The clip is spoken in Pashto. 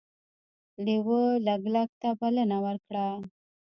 لیوه لګلګ ته بلنه ورکړه.